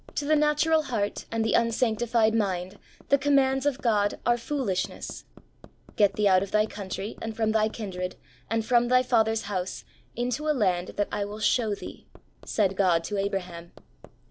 T O the natural heart and the unsanctified mind the commands of God are foolishness. "Get thee out of thy country, and from thy kindred, and from thy father's house, into a land that I will show thee," said God to Abraham.